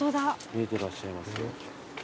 見えてらっしゃいますよ。